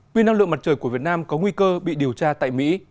quyên năng lượng mặt trời của việt nam có nguy cơ bị điều tra tại mỹ